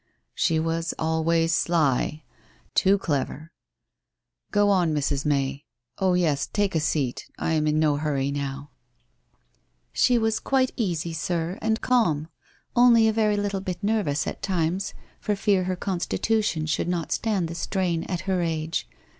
She was always sly. Too clever. Go on, Mr . May. oh, yes — take a seat. 1 am in no hurry now.' 427 428 WHITE ROSE OF WEARY LEAF ' She was quite easy, sir, and calm — only a very little bit nervous at times for fear her constitution should not stand the strain at her age.